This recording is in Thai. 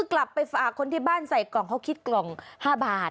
กลับไปฝากคนที่บ้านใส่กล่องเขาคิดกล่อง๕บาท